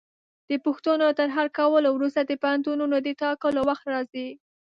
د پوښتنو تر حل کولو وروسته د پوهنتونونو د ټاکلو وخت راځي.